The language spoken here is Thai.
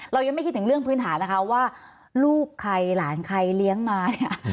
เรายังไม่คิดถึงเรื่องพื้นฐานนะคะว่าลูกใครหลานใครเลี้ยงมาเนี่ย